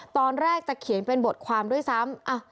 ตอนแรกจะเขียนเป็นบทความด้วยซ้ำ